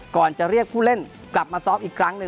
ก่อนจะเรียกผู้เล่นกลับมาซ้อมอีกครั้งหนึ่ง